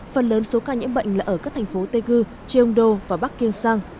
phần lớn số ca nhiễm bệnh là ở các thành phố tây cư triêng đô và bắc kiêng sang